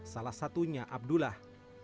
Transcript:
salah satunya abdullah